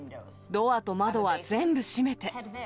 ドアと窓は全部閉めて。